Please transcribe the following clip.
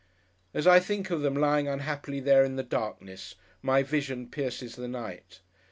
As I think of them lying unhappily there in the darkness, my vision pierces the night.